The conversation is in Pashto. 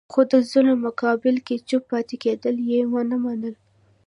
خو د ظلم مقابل کې چوپ پاتې کېدل یې ونه منل.